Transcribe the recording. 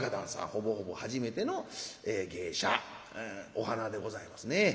ほぼほぼ初めての芸者お花でございますね。